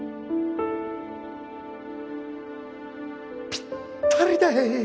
ぴったりだ。